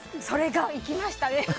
それが、いきましたね。